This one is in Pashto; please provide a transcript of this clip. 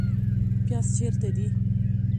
پیاز چیرته دي؟